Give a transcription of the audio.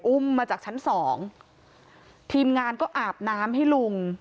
มาจากชั้นสองทีมงานก็อาบน้ำให้ลุง